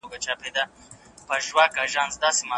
که په ټولنه کې سوله وي، نو هوسا ژوند رامنځته کیږي.